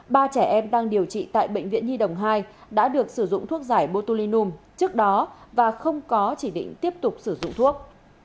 ba trẻ em đang điều trị tại bệnh viện nhi đồng hai đã được sử dụng thuốc giải botulinum trước đó và không có chỉ định tiếp tục sử dụng thuốc